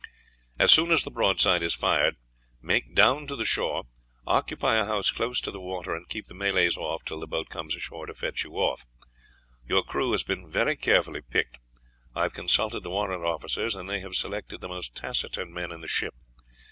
"As soon as the broadside is fired, make down to the shore, occupy a house close to the water, and keep the Malays off till the boats come ashore to fetch you off. Your crew has been very carefully picked. I have consulted the warrant officers, and they have selected the most taciturn men in the ship.